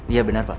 iya bener pak